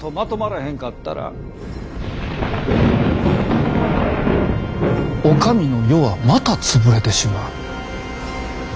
へんかったらお上の世はまた潰れてしまう。